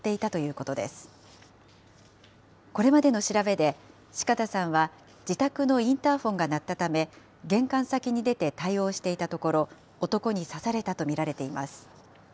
これまでの調べで、四方さんは自宅のインターフォンが鳴ったため、玄関先に出て対応していたところ、男に刺されたと見られています。